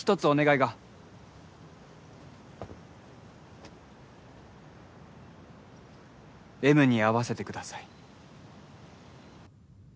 お願いがＭに会わせてください